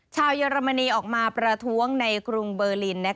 เยอรมนีออกมาประท้วงในกรุงเบอร์ลิน